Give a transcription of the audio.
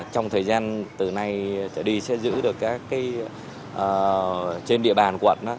trong thời gian từ nay trở đi sẽ giữ được các cái trên địa bàn quận